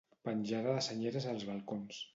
Penjada de senyeres als balcons.